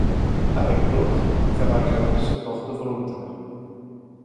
Avec d'autres, Verhaegen se porte volontaire.